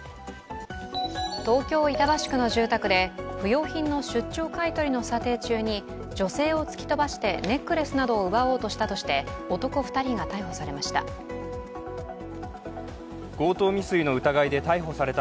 東京・板橋区の住宅で不要品の出張買い取りの査定中に女性を突き飛ばしてネックレスなどを奪おうとしたとして男２人が逮捕されました。